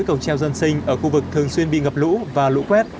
cầu treo dân sinh ở khu vực thường xuyên bị ngập lũ và lũ quét